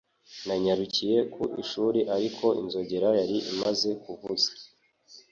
Nanyarukiye ku ishuri ariko inzogera yari imaze kuvuza